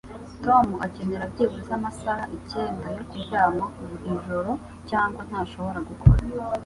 Tom akenera byibuze amasaha icyenda yo kuryama buri joro cyangwa ntashobora gukora.